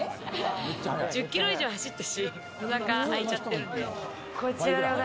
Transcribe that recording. １０キロ以上走ったし、お腹あいちゃってるんで。